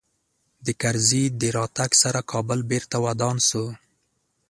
د کرزي د راتګ سره کابل بېرته ودان سو